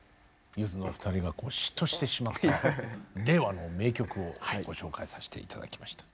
ゆずのお二人がこう嫉妬してしまった令和の名曲をご紹介させて頂きました。